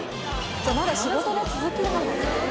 じゃまだ仕事の続き。